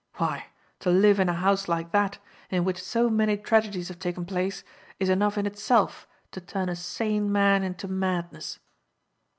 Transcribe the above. Why, to live in a house like that, in which so many tragedies have taken place, is enough in itself to turn a sane man into madness."